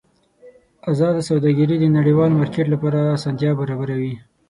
ازاده سوداګري د نړیوال مارکېټ لپاره اسانتیا برابروي.